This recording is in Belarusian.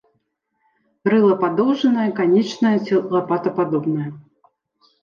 Рыла падоўжанае, канічнае ці лапатападобнае.